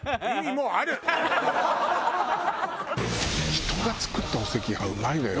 人が作ったお赤飯うまいのよ。